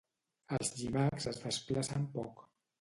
Els llimacs es desplacen poc.